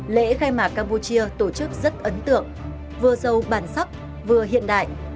lễ khai mạc campuchia tổ chức rất ấn tượng vừa giàu bản sắc vừa hiện đại